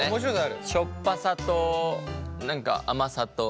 しょっぱさと何か甘さと。